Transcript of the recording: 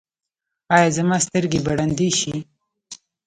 ایا زما سترګې به ړندې شي؟